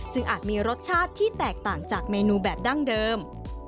ซึ่งอาจมีรสชาติที่แตกต่างจากเมนูแบบดั้งเดิม